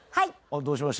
どうしました？